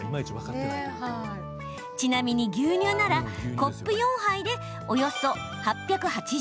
ちなみに、牛乳ならコップ４杯でおよそ８８０ｍｇ。